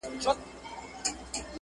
چي پرې ایښي چا و شاته هنري علمي آثار دي-